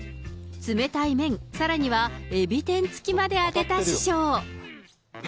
冷たい麺、さらにはエビ天つきまで当てた師匠。